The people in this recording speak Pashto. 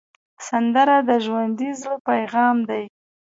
سندره د ژوندي زړه پیغام دی